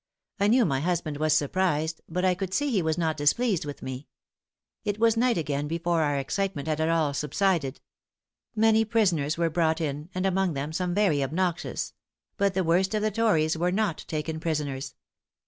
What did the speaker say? I knew my husband was surprised, but I could see he was not displeased with me. It was night again before our excitement had at all subsided. Many prisoners were brought in, and among them some very obnoxious; but the worst of the tories were not taken prisoners.